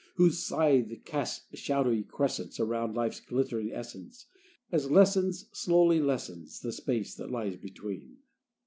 Whose scythe casts shadowy crescents Around life's glittering essence, As lessens, slowly lessens, The space that lies between.